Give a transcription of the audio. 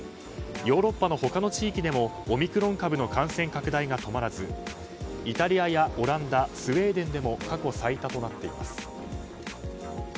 ヨーロッパの他の地域でもオミクロン株の感染拡大が止まらずイタリアやオランダスウェーデンでも過去最多となっています。